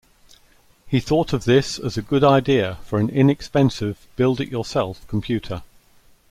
He thought of this as a good idea for an inexpensive, "build-it-yourself" computer.